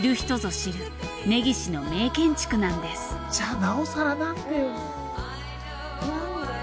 じゃあなおさらなんでよ。